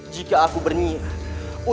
nanda prabu surawisesa